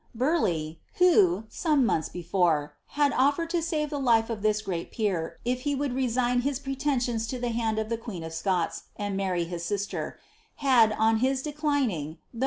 Burleigh, who, Bomc months before, had offered to save the life this great peer if he would resign his prelenaiona lo the hand of t queen of Scots, and marry his sister, had, on his declining, thouj^U •!